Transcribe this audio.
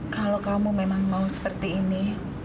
kalau kamu memang mau seperti ini